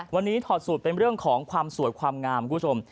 วันนี้ถอดสูตรเป็นเรื่องของความสวยความงามคุณผู้ชม